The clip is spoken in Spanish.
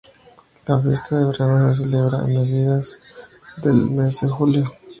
La fiesta de verano se celebra a mediados del mes de julio.